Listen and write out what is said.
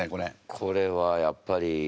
これはやっぱり。